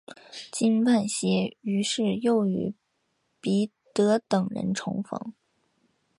金万燮于是又与彼得等人重逢。